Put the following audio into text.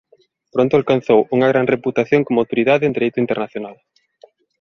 Pronto alcanzou unha gran reputación como autoridade en dereito internacional.